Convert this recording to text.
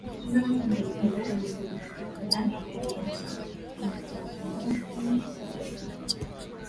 alipeleka miradi wakati wa utawala wake lakini ikawa haina maana baada ya kifo chake